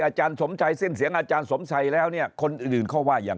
อาจารย์สมชัยสิ้นเสียงอาจารย์สมชัยแล้วเนี่ยคนอื่นเขาว่าอย่าง